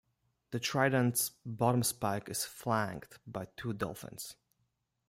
The trident's bottom spike is flanked by two dolphins.